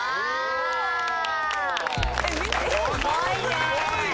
すごいね！